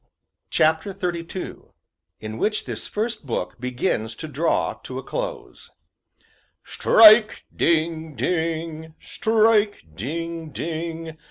CHAPTER XXXII IN WHICH THIS FIRST BOOK BEGINS TO DRAW TO A CLOSE "Strike! ding! ding! Strike! ding! ding!